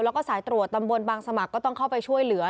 แล้วก็สายตรวจตำบลบางสมัครก็ต้องเข้าไปช่วยเหลือ